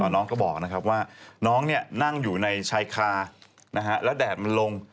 น้องก็บอกนะครับว่าน้องนั่งอยู่ในชายคาแล้วแดดมันลง